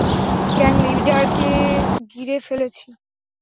Gang লিডারকে গিরে ফেলেছি!